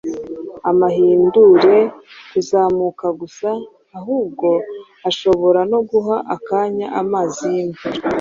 amahindure kuzamuka gusa, ahubwo ashobora no guha akanya amazi y’imvura